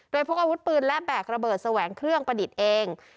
โดยพกอาวุธปืนและแบกระเบิดแสวงเครื่องประดิษฐ์เอง